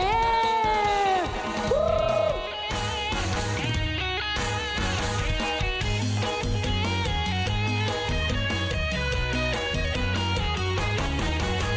เตรียมพับกรอบ